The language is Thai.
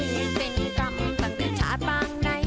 เพราะว่าเป็นวิสินกรรมตั้งแต่ชาติบ้างใน